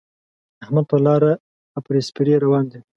احمد پر لاره اپړې سپړې روان وِي.